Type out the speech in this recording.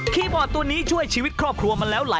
คีย์บอร์ดช่วยชีวิตค็อปครัว